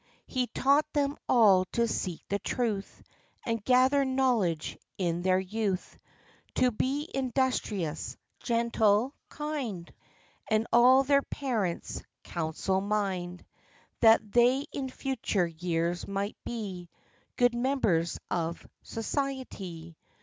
He taught them all to seek the truth, And gather knowledge in their youth; To be industrious, gentle, kind, And all their parents' counsel mind, That they in future years might be Good members of society.